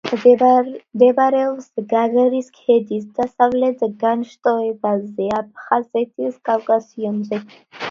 მდებარეობს გაგრის ქედის დასავლეთ განშტოებაზე, აფხაზეთის კავკასიონზე.